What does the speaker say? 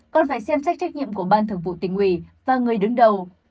còn phải xem sách trách nhiệm của ban thưởng vụ tình huy và người đứng đầu